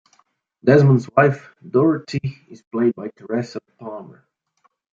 Desmond's wife, Dorothy, is played by Teresa Palmer.